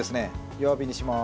弱火にします。